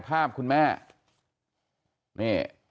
พาพคุณแม่